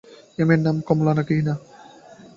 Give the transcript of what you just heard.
এই মেয়ের নাম কমলা কি না?